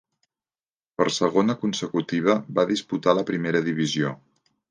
Per segona consecutiva, va disputar la Primera divisió.